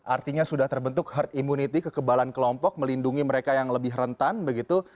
artinya sudah terbentuk herd immunity kekebalan kelompok melindungi mereka yang lebih rentan begitu